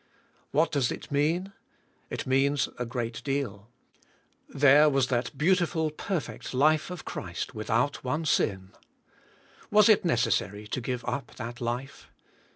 What does it mean? It means a great deal. There was that beautiful, per fect life of Christ, without one sin. Was it neces sary to give up that life